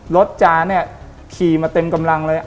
รถจ๋าขี่มาเต็มกำลังเลย